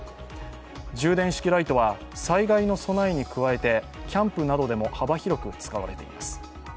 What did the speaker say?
充電式ライトは、災害の備えに加えてキャンプなどでも幅広く使われています。